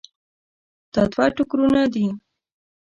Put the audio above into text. دا دوه ټوکرونه دي.